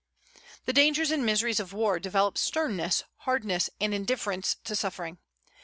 The dangers and miseries of war develop sternness, hardness, and indifference to suffering.